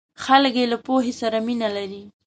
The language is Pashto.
خلک یې له پوهې سره مینه لري.